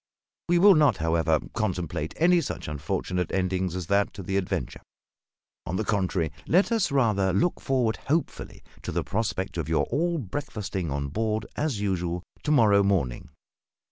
We will not, however, contemplate any such unfortunate ending as that to the adventure; on the contrary, let us rather look forward hopefully to the prospect of your all breakfasting on board as usual, to morrow morning.